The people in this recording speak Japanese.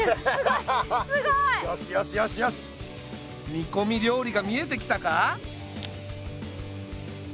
煮こみ料理が見えてきたか？